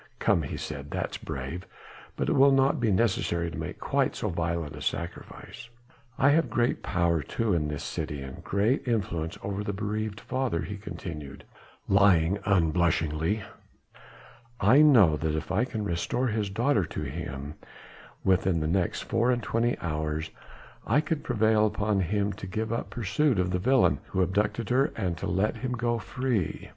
"Come!" he said, "that's brave! but it will not be necessary to make quite so violent a sacrifice. I have great power too in this city and great influence over the bereaved father," he continued, lying unblushingly, "I know that if I can restore his daughter to him within the next four and twenty hours, I could prevail upon him to give up pursuit of the villain who abducted her, and to let him go free."